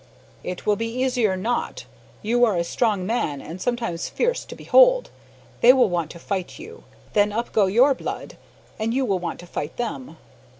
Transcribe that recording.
"It will be wiser not. You are a strong man, an' sometimes fierce to behold. They will want to fight you; then up go your blood, an' you will want to fight them."